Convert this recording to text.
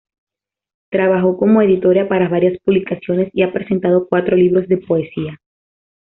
Trabajó como editora para varias publicaciones y ha presentado cuatro libros de poesía.